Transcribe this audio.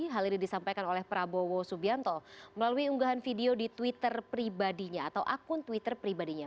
hal ini disampaikan oleh prabowo subianto melalui unggahan video di twitter pribadinya atau akun twitter pribadinya